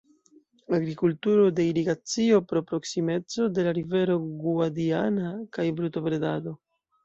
Agrikulturo de irigacio pro proksimeco de la rivero Guadiana kaj brutobredado.